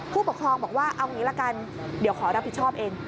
ผู้ปกครองบอกว่าเอางี้ละกันเดี๋ยวขอรับผิดชอบเอง